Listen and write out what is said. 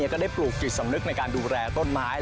ได้ปลูกจิตสำนึกในการดูแลต้นไม้